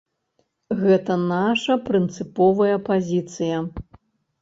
Гэта наша прынцыповая пазіцыя.